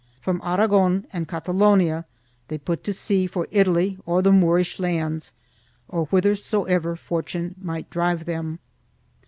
From Aragon and Catalonia they put to sea for Italy or the Moorish lands or whithersoever fortune might drive them.